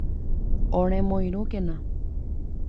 Oremoirũkena